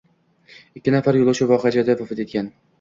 Ikki nafar yo‘lovchi voqea joyida vafot etgan